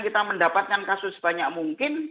kita mendapatkan kasus sebanyak mungkin